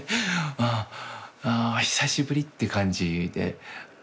ああ久しぶりって感じで。